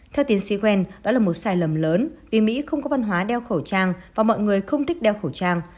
theo tiến sĩ gen đó là một sai lầm lớn vì mỹ không có văn hóa đeo khẩu trang và mọi người không thích đeo khẩu trang